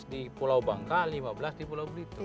di pulau bangka lima belas di pulau belitung